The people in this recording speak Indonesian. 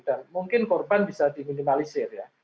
dan mungkin korban bisa diminimalisir ya